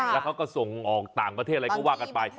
แล้วเขาก็ส่งออกต่างประเทศอะไรก็ว่ากันไป